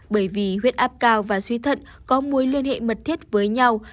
bởi vì huyết áp cao và suy thuận có mối liên hệ mật thiết với nhau